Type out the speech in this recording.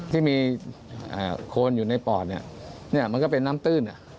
ที่มีโคนอยู่ในปอดเนี่ยมันก็เป็นน้ำตื้น